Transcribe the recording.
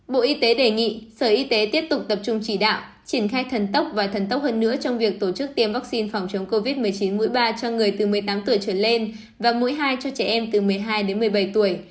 bộ y tế đề nghị sở y tế tiếp tục tập trung chỉ đạo triển khai thần tốc và thần tốc hơn nữa trong việc tổ chức tiêm vaccine phòng chống covid một mươi chín mũi ba cho người từ một mươi tám tuổi trở lên và mũi hai cho trẻ em từ một mươi hai đến một mươi bảy tuổi